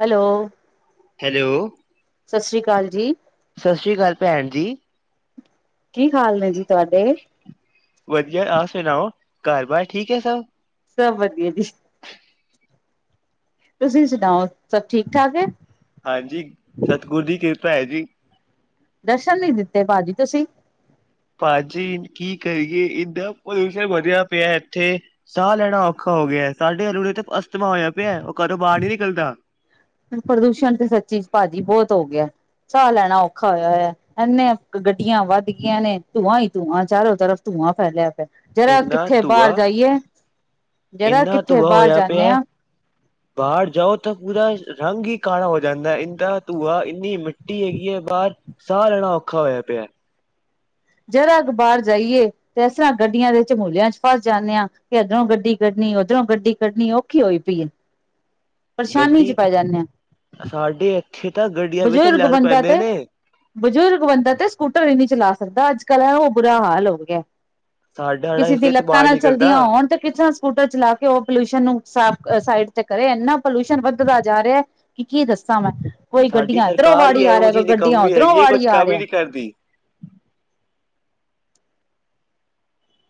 Hello hello ਸਤਿ ਸ੍ਰੀ ਅਕਾਲ ਜੀ ਸਤਿ ਸ੍ਰੀ ਅਕਾਲ ਭੈਣ ਜੀ ਕੀ ਹਾਲ ਨੇ ਜੀ ਤੁਹਾਡੇ? ਵਧੀਆ ਆਪ ਸੁਣਾਓ ਘਰ ਬਾਰ ਠੀਕ ਹੈ ਸਭ? ਸਭ ਵਧੀਆ ਜੀ ਤੁਸੀਂ ਸੁਣਾਓ ਸਭ ਠੀਕ ਠਾਕ ਹੈ ਹਾਂਜੀ ਸਤਿਗੁਰੂ ਦੀ ਕਿਰਪਾ ਹੈ ਜੀ ਦਰਸ਼ਨ ਨ ਦਿੱਤੇ ਭਾਜੀ ਤੁਸੀਂ ਭਾਜੀ ਕੀ ਕਰੀਏ ਏਦਾ ਪ੍ਰਦੂਸ਼ਣ ਵਧੀਆ ਪਿਆ ਇੱਥੇ ਸਾਹ ਲੈਣਾ ਔਖਾ ਹੋ ਗਿਆ ਸਾਡੇ ਹਲੂੜਥ ਅਸਥਮਾ ਹੋਇਆ ਪਿਆ ਘਰੋਂ ਬਾਹਰ ਨੀ ਨਿਕਲਦਾ। ਪ੍ਰਦੂਸ਼ਣ ਤੇ ਸੱਚੀ ਭਾਜੀ ਬਹੁਤ ਹੋ ਗਿਆ ਚਾਹ ਲੈਣਾ ਔਖਾ ਹੋਇਆ ਹੋਇਆ ਇਨੇ ਗੱਡੀਆਂ ਵੱਧ ਗਈਆਂ ਨੇ ਧੂੰਆਂ ਹੀ ਧੂੰਆਂ ਚਾਰੋ ਤਰਫ ਧੂੰਆਂ ਫੈਲਿਆ ਪਿਆ ਜਰਾ ਇੰਨਾ ਕਿੱਥੇ ਬਾਹਰ ਧੂੰਆ ਜਾਈਏ ਜਰਾ ਇੰਨਾ ਕਿੱਥੇ ਧੂੰਆ ਬਾਹਰ ਹੋਇਆ ਜਾਂਦੇ ਪਿਆ। ਹਾਂ ਬਾਹਰ ਜਾਓ ਤਾਂ ਪੂਰਾ ਰੰਗ ਹੀ ਕਾਲਾ ਹੋ ਜਾਂਦਾ ਇੰਦਾ ਧੂੰਆ ਇੰਨੀ ਟੁੱਟੀ ਹੈਗੀ ਹੈ ਬਾਹਰ ਸਾਹ ਲੈਣਾ ਔਖਾ ਹੋਇਆ ਪਿਆ ਜਰਾ ਅ ਬਾਹਰ ਜਾਈਏ ਤੇ ਇਸ ਤਰ੍ਹਾਂ ਗੱਡੀਆਂ ਦੇ ਚਝਮੂਲਿਆਂ ਚ ਫਸ ਜਾਂਦੇ ਹਾਂ ਕਿ ਇੱਧਰੋਂ ਗੱਡੀ ਕੱਢਣੀ ਉੱਧਰੋਂ ਗੱਡੀ ਕੱਢਣੀ ਔਖੀ ਹੋਈ ਪਈ ਪਰੇਸ਼ਾਨੀ ਚ ਗੱਡੀ ਪੈ ਜਾਂਦੇ ਹਾਂ ਸਾਡੇ ਇੱਥੇ ਤਾਂ ਗੱਡੀਆਂ ਵਿੱਚ ਬਜ਼ੁਰਗ ਲੜ ਬੰਦਾ ਪੈਂਦੇ ਤੇ ਨੇ। ਬਜ਼ੁਰਗ ਬੰਦਾ ਤੇ ਸਕੂਟਰ ਹੀ ਨਹੀਂੀ ਚਲਾ ਸਕ ਦਾ ਅੱਜ ਕਲ੍ਹ ਉਹ ਬੁਰਾ ਹਾਲ ਹੋ ਗਿਆ ਸਾਡਾ ਜਿਹੜਾ ਕਿਸੇ ਇਸ ਦੀ ਲੱਤਾਂ ਇਤਬਾਰ ਨਾਲ ਨਹੀਂ ਚਲਦੀਆਂ ਕਰਦਾ। ਹੋਉਣ ਤੇ ਕਿਸਥਰ੍ਹਾਂ ਸਕੂਟਰ ਚਲਾ ਕੇ ਉਹ ਪੋਲਿਊਸ਼ਨ ਨੂੰ ਸਾਫ਼ ਸਾਈਡ ਤੇ ਕਰੇ ਇੰਨਾ ਪੋਲਿਊਸ਼ਨ ਵੱਧਦਾ ਜਾ ਰਿਹਾ ਕਿ ਕੀ ਦੱਸਾਂ ਮੈਂ ਕੋਈ ਸਾਡੀ ਗੱਡੀਆਂ ਇੱਧਰੋਂ ਸਰਕਾਰ ਵੀ ਵਾੜੀ ਆ ਇਹੋ ਰਿਹਾ ਕੋਈ ਜਿਹੀ ਗੱਡੀਆਂ ਨਿਕਮੀ ਉੱਧਰੋਂ ਹੈਗੀ ਹੈ ਵਾੜੀ ਕੁਛ ਆ ਕੰਮ ਹੀ ਰਿਹਾ। ਨੀ ਕਰਦੀ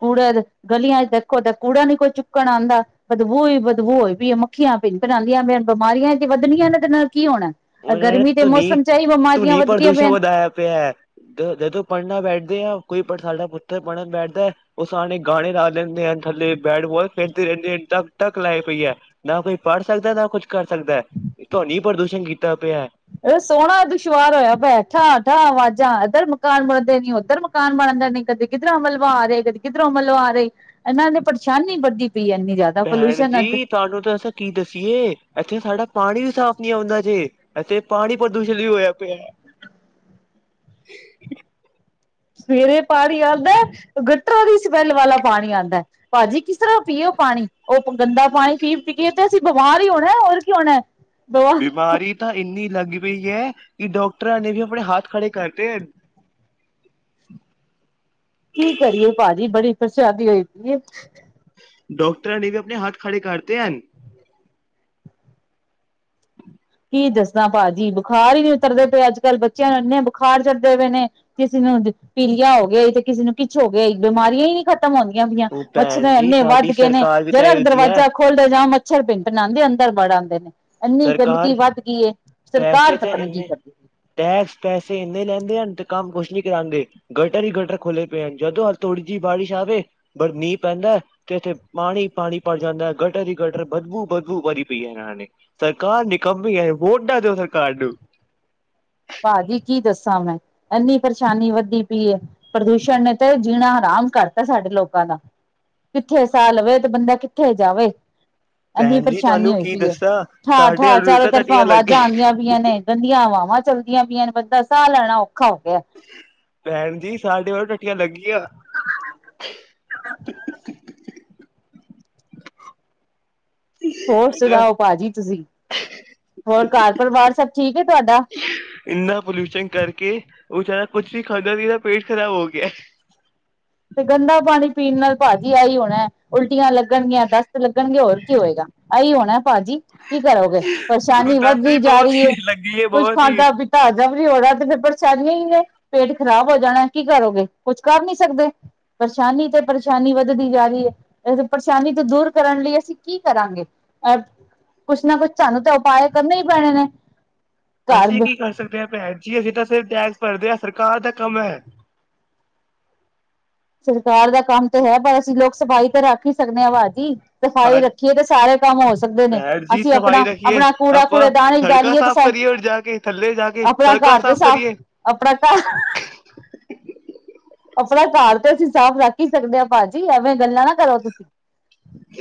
ਕੂੜਾ ਗਲੀਆਂ ਚ ਦੇਖੋ ਤਾਂ ਕੂੜਾ ਨੀ ਕੋਈ ਚੁੱਕਣ ਆਉਂਦਾ ਬਦਬੂ ਹੀ ਬਦਬੂਈ ਵੀ ਮੱਖੀਆਂ ਪ ਬਣਾਉਂਦੀਆਂ ਵੀ ਬਿਮਾਰੀਆਂ ਚ ਵੱਧਣੀਆਂ ਨੇ ਤੇ ਨਾਲ ਕੀ ਹੋਣਾ। ਉਹਨਾਂ ਨੇ ਗਰਮੀ ਦੇ ਤੂੰ ਨੀ ਮੌਸਮ ਚ ਹੀ ਤੂੰ ਬਿਮਾਰੀਆਂ ਨੀ ਵੱਧਦੀਆਂ ਪ੍ਰਦੂਸ਼ਣ ਪਈਆਂ ਵਧਾਇਆ ਪਿਆ ਹੈ ਜਦ ਤੂੰ ਪੜ੍ਹਨਾ ਬੈਠਦੇ ਆ ਕੋਈ ਸਾਡਾ ਪੁੱਤਰ ਪੜ੍ਹਨ ਬੈਠਦਾ ਉਹ ਸਣੇ ਗਾਣੇ ਲਾ ਲੈਂਦੇ ਆ ਥੱਲੇ ਬੈਟ ਬਾਲ ਖੇਡਦੇ ਰਹਿੰਦੇ ਕ ਢਕ ਲਾਈ ਹੋਈ ਹੈ ਨਾ ਕੋਈ ਪੜ੍ਹ ਸਕਦਾ ਨਾ ਕੁਛ ਕਰ ਸਕਦਾ ਹੈ ਤੁਹਾਨ ਪ੍ਰਦੂਸ਼ਣ ਕੀਤਾ ਤਾ ਪਿਆ ਇਹ ਸੋਹਣਾ ਦੁਸ਼ਵਾਰ ਹੋਇਆ ਭਠਾਂਠਾਂ ਆਵਾਜਾਂ ਉੱਧਰ ਮਕਾਨ ਬਣਦੇ ਨੇ ਉੱਧਰ ਮਕਾਨ ਬਣਦੇ ਨੇ ਕਦੇ ਕਿੱਧਰ ਅਮਲਵਾ ਰਹੇ ਕਦੇ ਕਿੱਰ ਅਮਲਵਾ ਰਹੇ ਇਹਨਾਂ ਨੇ ਪਰੇਸ਼ਾਨੀ ਵੱਡੀ ਭੈਣ ਜੀ ਤੁਹਾਨੂੰ ਤਾਂ ਅਸਂ ਕੀ ਦੱਸੀਏ ਇੱਥੇ ਸਾਡਾ ਪਾਣੀ ਵੀ ਸਾਫ਼ ਨਹੀਂੀ ਆਉਂਦਾ ਜੇ ਇਥੇ ਪਾਣੀ ਪ੍ਰਦੂਸ਼ਣ ਵੀ ਹੋਇਆ ਪਿਆ ਸਵੇਰੇ ਪਾਣੀ ਆਦਾ ਗੱ ਦੀ ਸਮੈੱਲ ਵਾਲਾ ਪਾਣੀ ਆਉਂਦਾ ਹੈ ਭਾਜੀ ਕਿਸ ਤਰ੍ਹਾਂ ਪੀਓ ਪਾਣੀ ਉਹ ਗੰਦਾ ਪਾਣੀ ਪੀ ਪੀਏ ਤੇ ਅਸੀਂ ਬਿਮਾਰ ਹੀ ਹੋਣਾ ਹੋਰ ਕੀ ਹੋਣਾ ਬਵਾ ਬਿਮਾਰੀ ਤਾਂ ਇੰਨੀ ਲੱਗ ਪਈ ਹੈ ਕਿ ਡਾਕਟਰਾਂ ਨੇ ਵੀ ਆਪਣੇ ਹੱਥ ਖੜੇ ਕਰਦੇ ਕੀ ਕਰੀਏ ਭਾਜੀ, ਬੜੀ ਪਰਸ਼ਾਨੀ ਹੋਈ ਪਯੀ ਏ। ਡਾਕਟਰਾਂ ਨੇ ਵੀ ਆਪਣੇ ਹੱਥ ਖੜੇ ਕਰਤੇ ਹਨ। ਕੀ ਦੱਸਾ ਭਾਜੀ ਬੁਖਾਰ ਹੀ ਨਹੀਂ ਉਤਰਦੇ ਪਏ ਅੱਜ-ਕੱਲ੍ਹ। ਬੱਚਿਆਂ ਨੂੰ ਇੰਨੇ ਬੁਖਾਰ ਚੜਦੇ ਪਏ ਨੇ ਕਿਸੇ ਨੂੰ ਪੀਲਿਆ ਹੋ ਗਿਆ ਤੇ ਕਿਸੇ ਨੂੰ ਕਿਛ ਹੋ ਗਿਆ ਈ ਬਿਮਾਰੀਆਂ ਹੀ ਨੀ ਖਤ ਖਤਮ ਹੋਂਗਈਆਂ [unintelligible] ਉਹ ਮੱਛਰ ਭੈਣ ਜੀ ਇੰਨੇ ਵੱਧ ਸਾਡੀ ਗਏ ਨੇ ਸਰਕਾਰ ਵੀ ਤਾਂ ਜਰਾ ਕ ਇਹੋ ਜਿਹੀ ਹੈ ਦਰਵਾਜ਼ਾ ਖੋਲਦਾ ਜਾਂ ਮੱਛਰ ਬਿਨ ਨਾਂਦੇ ਅੰਦਰ ਬੜ ਆਂਦੇ ਨੇ। ਏਨੀ ਗੰਦਗ ਸਰਕਾਰ ਪੈਸੇ ਤਾਂ ਏਨੇ ਕਰਦੀ ਟੈਕਸ ਪੈਸੇ ਏਨੇ ਲੈਂਦੇ ਹਨ ਤੇ ਕੰਮ ਕੁਛ ਨੀ ਕਰਾਂਦੇ ਗਟਰ ਹੀ ਗਟਰ ਖੋਲੇ ਪਏ ਹਨ। ਜਦੋਂ ਹ ਥੋੜੀ ਜਿਹੀ ਬਾਰਿਸ਼ ਆਵੇ ਪਰ ਮੀਂਹ ਪੈਂਦਾ ਤੇ ਏਥੇ ਪਾਣੀ ਪਾਣੀ ਪਰ ਜਾਂਦਾ। ਗਟਰ ਹੀ ਗਟਰ, ਬਦਬੂ ਬਦਬੂ ਭਰੀ ਪਈ ਏ ਏਨਾ ਨੇ। ਸਰਕਾਰ ਨਿਕੰਮੀ ਏ, ਵੋਟ ਨਾ ਦਯੋ ਸਰਕਾਰ ਨੂੰ। ਭਾਜੀ ਕੀ ਦੱਸਾਂ ਮੈਂ ਇੰਨੀ ਪਰੇਸ਼ਾਨੀ ਵੱਧਦੀ ਪਈ ਏ। ਪ੍ਰਦੂਸ਼ਣ ਨੇ ਤਾਂ ਜੀਣਾ ਹਾਰਾਮ ਕਰਤਾ ਸਾਡੇ ਲੋਕਾਂ ਦਾ ਕਿੱਥੇ ਸਾਹ ਲਵੇ ਤੇ ਬੰਦਾ ਕਿੱਥੇ ਜਾਵੇ। ਏਨੀ ਭੈਣ ਜੀ ਪਰੇਸ਼ਾਨੀ ਤੁਹਾਨੂੰ ਹੋਈ ਕੀ ਪਈ ਏ। ਦੱਸਾਂ ਸਾਡੇ ਠਾਹ-ਠਾਹ ਚਾਰੋ ਅਰੁਤਾ ਤਰਫਾ ਟਟੀਆਂ ਲੱਗੀ ਆਵਾਜ਼ਾਂ ਆਂਦੀ ਪਈਆਂ ਨੇ ਗੰਦੀਆਂ ਹਵਾਵਾਂ ਚੱਲ [unintelligible] ਪਯੀਆਂ ਨੇ ਬੰਦਾ ਸਾਹ ਲੈਣਾ ਉਖ ਭੈਣ ਜੀ ਸਾਡੇ ਵ ਟੀਆਂ ਲੱਗੀਆਂ। [unintelligible] ਹੋਰ ਇਧਰ ਸੁਣਾਓ ਭਾਜੀ ਤੁਸੀਂ, ਹੋਰ ਘਰ ਪਰਿਵਾਰ ਸਭ ਠੀਕ ਏ ਤੁਹਾਡਾ। ਔ ਵਿਚਾਰਾ ਕੁਛ ਵੀ ਖਾਂਦਾ ਪਯਾ ਪੇਟ ਖਰਾਬ ਹੋ ਗਿਆ। ਤੇ ਗੰਦਾ ਪਾਣੀ ਪੀਣ ਨਾਲ ਭਾਜੀ ਏਹੀ ਹੋਣਾ ਉਲਟੀਆਂ ਲੱਗਣਗੀਆਂ, ਦਸਤ ਲੱਗਣਗੇ ਹੋਰ ਕੀ ਹੋਏਗਾ, ਏਹੀ ਹੋਣਾ।, ਭਾਜੀ ਕੀ ਕਰੋਗੇ ਉਹਨੂੰ ਪਰੇਸ਼ਾਨੀ ਦੱਸ ਵੀ ਵੱਧਦੀ ਜਾ ਰਹੀ ਏ ਬਵਾਸੀਰ ਲੱਗੀ ਹੈ ਕੁੱਛ ਖਾਧਾ ਬਵਾਸੀਰ ਪੀਤਾ ਹਜ਼ਮ [unintelligible] ਹੋ ਰਹਾ ਤੇ ਫੇਰ ਪਰਸ [unintelligible] ਹੀ ਨੇ ਪੇਟ ਖ਼ਰਾਬ ਹੋ ਜਾਣਾ ਕੀ ਕਰੋਗੇ ਕੁਛ ਕਰ ਨੀ ਸਕਦੇ। ਪਰੇਸ਼ਾਨੀ ਤੇ ਪਰੇਸ਼ਾਨੀ ਵੱਧਦੀ ਜਾ ਰਹੀ ਏ ਪਰੇਸ਼ਾਨੀ ਤੋਂ ਦੂਰ ਕਰਨ ਲਈ ਅਸੀਂ ਕੀ ਕਰਾਂਗੇ। ਕੁਛ ਨਾ ਕੁਛ ਸਾਨੂੰ ਤਾਂ ਉਪਾਏ ਕਰਨੇ ਹੀ ਪੈਣੇ ਨੇ। ਅਸੀਂ ਘਰ ਕੀ ਕਰ ਸਕਦੇ ਹਾਂ ਭੈਣ ਜੀ ਅਸੀਂ ਤਾਂ ਟੈਕਸ ਭਰਦੇ ਆ ਸਰਕਾਰ ਦਾ ਕੰਮ ਏ। ਸਰਕਾਰ ਦਾ ਕੰਮ ਤਾਂ ਹੈ ਪਰ ਅਸੀਂ ਲੋਕ ਸਫ਼ਾਈ ਤਾਂ ਰੱਖ ਹੀ ਸਕਦੇ ਆ ਭਾਜੀ। ਭਾ ਸਫਾਈ ਰੱਖੀਏ ਤੇ ਸਾਰੇ ਕੰਮ ਹੋ ਸਕਦੇ ਨੇ, ਭੈਣ ਜੀ ਅਸੀਂ ਸਫ਼ਾਈ ਆਪਣਾ- ਰੱਖੀਏ ਆਪਣਾ ਕੂੜਾ ਆਪਾਂ ਕੂੜੇ ਦਾਨ ਇੰਚ ਸੜਕਾਂ ਡਾਲੀਏ ਤੇ ਸ ਸਾਫ਼ ਕਰੀਏ ਔਰ ਜਾ ਕੇ ਥੱਲੇ ਜਾ ਕੇ ਆਪਣਾ ਸੜਕਾਂ ਘਰ ਤੇ ਸਾਫ਼ ਕਰੀਏ ਆਪਣਾ ਘਰ ਆਪਣਾ ਘਰ ਤੇ ਅਸੀਂ ਸਾਫ਼ ਰੱਖ ਹੀ ਸਕਦੇ ਹਾਂ ਭਾਜੀ ਐਵੇਂ ਗੱਲਾਂ ਨਾ ਕਰੋ ਤੁਸੀਂ।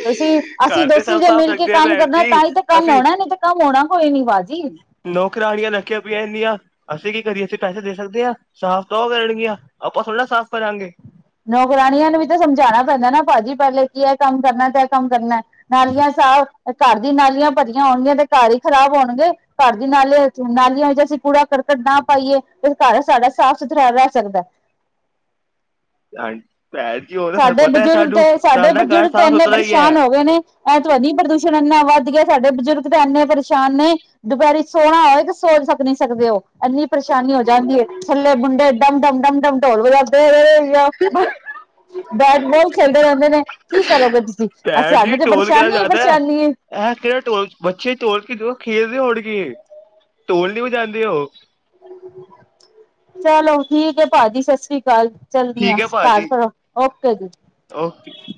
ਤੁਸੀਂ ਅਸੀਂ ਘਰ ਤੇ ਦੋਸੀ ਸਭ ਜ ਸਾਫ਼ ਮਿਲ ਕੇ ਰੱਖਦੇ ਆ ਕੰਮ ਭੈਣ ਕਰਨਾ ਤਾਂ ਹੀ ਤੇ ਕੰਮ ਹੋਣਾ ਨਹੀਂ ਤੇ ਕੰਮ ਹੋਣਾ। ਕੋਈ ਨੀ ਭਾਜੀ ਨੌਕਰਾਨੀਆਂ ਰੱਖੀਆਂ ਪਈਆਂ ਇਨੀਆਂ। ਅਸੀਂ ਕੀ ਕਰੀਏ? ਅਸੀਂ ਪੈਸੇ ਦੇ ਸਕਦੇ ਹਾਂ, ਸਾਫ਼ ਤਾਂ ਔ ਕਰਨਗੀਆਂ, ਆਪਾਂ ਥੋੜ੍ਹੇ ਨਾ ਸਾਫ਼ ਕਰਾਂਗੇ। ਨੌਕਰਾਣੀਆਂ ਨੂੰ ਵੀ ਤਾਂ ਸਮਝਾਣਾ ਪੈਂਦਾ ਨਾ ਭਾਜੀ ਪੇਲੇ ਕਿ ਇਹ ਕੰਮ ਕਰਨਾ ਤੇ ਇਹ ਕੰਮ ਕਰਨਾ। ਨਾਲਿਆਂ ਸਾਫ਼ ਘਰ ਦੀ ਨਾਲਿਆਂ ਭਰਿਆਂ ਹੋਣਗਿਆਂ ਤੇ ਘਰ ਹੀ ਖਰਾਬ ਹੋਣਗੇ। ਘਰ ਦੀ ਨਾਲੇ ਇੰਚ, ਨਾਲੀਆਂ ਵਿੱਚ ਅਸੀਂ ਕੂੜਾ ਕਰਕਟ ਨਾ ਪਾਈਏ ਤੇ ਘਰ ਸਾਡਾ ਸਾਫ਼ ਸੁਥਰਾ ਰਹਿ ਸਕਦਾ। [unintelligible] ਉਹ ਤਾਂ ਸਾਨੂੰ ਸਾਡੇ ਪਤਾ ਹੈ ਬਜ਼ੁਰਗ ਤੇ ਸਾਨੂੰ ਸਾਡੇ ਸਾਡਾ ਘਰ ਬਜ਼ੁਰਗ ਤੇ ਸਾਫ਼ ਇੰਨੇ ਸੁਥਰਾ ਹੀ ਪਰੇਸ਼ਾਨ ਹੈ ਹੋ ਗਏ ਨੇ ਇਹ ਤਵਨੀ ਪ੍ਰਦੂਸ਼ਣ ਇੰਨਾ ਵੱਧ ਗਿਆ। ਸਾਡੇ ਬਜ਼ੁਰਗ ਤੇ ਇਨੇ ਪਰੇਸ਼ ਸ਼ਾਨ ਨੇ ਦੁਪਹਿਰੀ ਸੋਹਣਾ ਹੋਵੇ ਤੇ ਸੋ ਸਕ ਨੀ ਸਕਦੇ ਉਹ ਇੰਨੀ ਪਰੇਸ਼ਾਨੀ ਹੋ ਜਾਂਦੀ ਹੈ ਥੱਲੇ ਮੁੰਡੇ ਡਮ-ਡਮ, ਡਮ-ਡਮ ਢੋਲ ਵਜਾਦੇ ਰਹੇ। [unintelligible] ਬੈਟਬਾਲ ਖੇਲਦੇ ਰਹਿੰਦੇ ਨੇ ਕੀ ਕਰੋਗੇ ਤੁਸੀਂ ਅ ਭੈਣ ਜੀ ਸਾਨੂੰ ਤੇ ਢੋਲ ਕਿਹੜਾ ਪਰੇਸ਼ਾਨੀ ਵਜਾਦਾ ਹੈ ਪਰੇਸ਼ਾਨੀ ਏ। ਇਹ ਹੋੜ ਕੀ ਐ ਟੋਲ ਨੀ ਵ ਜਾਂਦੇ ਉਹ। ਚਲੋ ਠੀਕ ਹੈ ਭਾਜੀ ਸਤਿ ਸ੍ਰੀ ਅਕਾਲ। ਚਲਦੀ ਆ ਠੀਕ ਹੈ ਘਰ ਭਾਜੀ ਫੇਰ ਓਕੇ ਓਕੇ ਜੀ।